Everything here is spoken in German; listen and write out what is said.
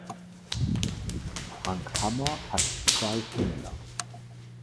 Frank Hammer hat zwei Kinder.